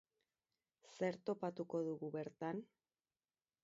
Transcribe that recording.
Zer topatuko dugu bertan?